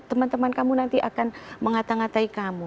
teman teman kamu nanti akan mengata ngatai kamu